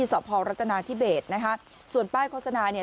สทธิ์พรรณลักษณะที่เบทนะฮะส่วนป้ายโฆษณาเนี้ย